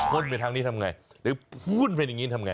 พุ่นไปทางนี้ทำอย่างไรหรือพุ่นไปอย่างนี้ทำอย่างไร